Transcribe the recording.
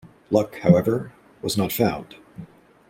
Luck, however, was not found.